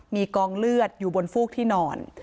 มีกองเลือดอยู่บนฟูกที่นอน